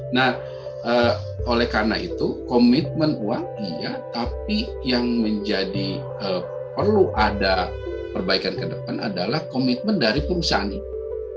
nah oleh karena itu komitmen uang iya tapi yang menjadi perlu ada perbaikan ke depan adalah komitmen dari perusahaan ini